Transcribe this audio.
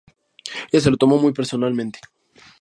Ella se lo tomó muy personalmente.